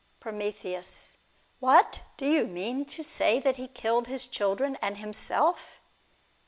Prom. What! Do you mean to say he killed his children and himself?